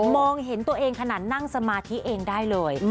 มองเห็นตัวเองขนาดนั่งสมาธิเองได้เลย